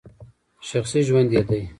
شخصي ژوند یې دی !